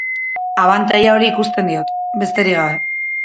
Abantaila hori ikusten diot, besterik gabe.